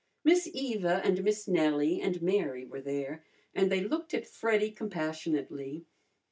Miss Eva and Miss Nellie and Mary were there, and they looked at Freddy compassionately.